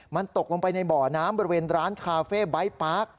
มันตกลงไปในบ่อน้ำบริเวณร้านคาเฟ่ไบท์ปาร์ค